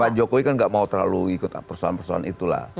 pak jokowi kan gak mau terlalu ikut persoalan persoalan itulah